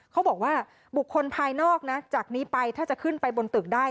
เขาบอกว่าบุคคลภายนอกนะจากนี้ไปถ้าจะขึ้นไปบนตึกได้